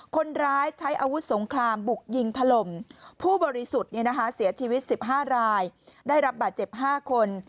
คนร้ายใช้อาวุธสงครามบุกยิงถล่มผู้บริสุทธิ์เสียชีวิต๑๕รายได้รับบาดเจ็บ๕คน